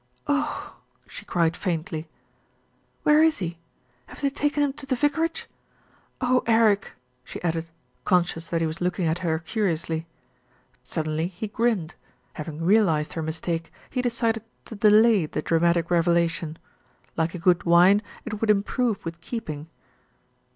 "Ooooooh!" she cried faintly. "Where is he? Have they taken him to the vicarage? Oh, Eric!" she added, conscious that he was looking at her curiously. Suddenly he grinned. Having realised her mistake, he decided to delay the dramatic revelation. Like a good wine, it would improve with keeping.